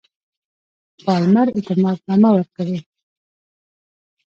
پالمر اعتماد نامه ورکړي.